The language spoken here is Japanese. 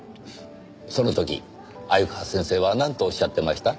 その時鮎川先生はなんとおっしゃってました？